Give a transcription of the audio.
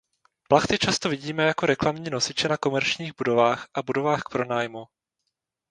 Plachty často vidíme jako reklamní nosiče na komerčních budovách a budovách k pronájmu.